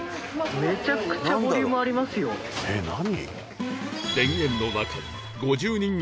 えっ何？